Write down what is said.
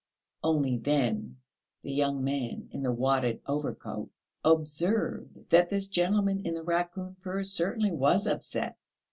Only then the young man in the wadded overcoat observed that this gentleman in the raccoon furs certainly was upset.